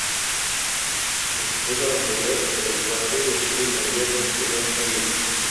En respuesta a lo anterior, el vate decide cambiar su estilo lírico.